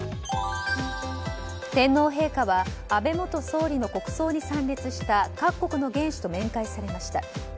天皇陛下は安倍元総理の国葬に参列した各国の元首と面会されました。